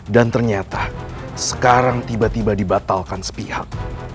dan ternyata sekarang tiba tiba dibatalkan sepihak